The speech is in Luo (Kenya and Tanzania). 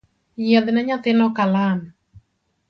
Yiedhne nyathino kalam